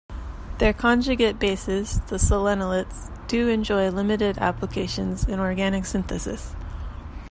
Their conjugate bases, the selenolates, do enjoy limited applications in organic synthesis.